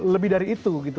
lebih dari itu gitu